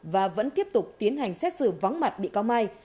và vẫn tiếp tục tiến hành xét xử vắng mặt bị cáo mai